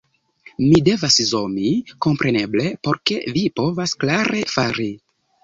Mi devas zomi, kompreneble, por ke vi povas klare fari